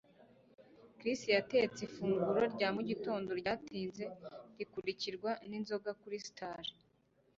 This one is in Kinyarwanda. Chris yatetse ifunguro rya mugitondo ryatinze rikurikirwa n'inzoga kuri Star.